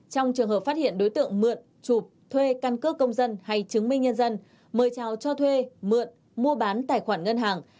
trong trường hợp phát hiện đối tượng mượn chụp thuê căn cước công dân hay chứng minh nhân dân mời trào cho thuê mượn mua bán tài khoản ngân hàng